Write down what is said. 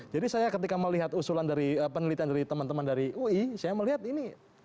jadi saya ketika melihat usulan dari penelitian dari teman teman dari ui saya melihat ini ada kebaikan kebaikan